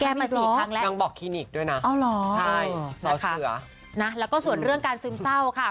มาสี่ครั้งแล้วนางบอกคลินิกด้วยนะอ๋อเหรอใช่สอเสือนะแล้วก็ส่วนเรื่องการซึมเศร้าค่ะ